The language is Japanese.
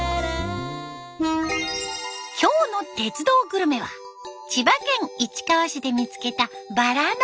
今日の「鉄道グルメ」は千葉県市川市で見つけたバラのお菓子。